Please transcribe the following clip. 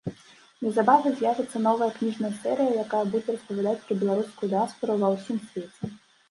Неўзабаве з'явіцца новая кніжная серыя, якая будзе распавядаць пра беларускую дыяспару ва ўсім свеце.